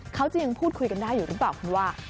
เขาจะยังพูดคุยกันได้อยู่หรือเปล่าคุณว่า